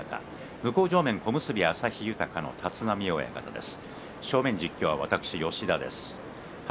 向正面は小結旭豊の立浪親方です。